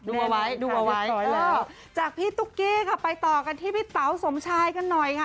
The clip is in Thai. ดูเอาไว้ดูเอาไว้จากพี่ตุ๊กกี้ค่ะไปต่อกันที่พี่เต๋าสมชายกันหน่อยค่ะ